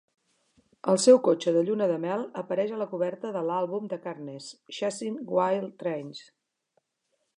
El seu cotxe de lluna de mel apareix a la coberta de l'àlbum de Carnes, "Chasin' Wild Trains".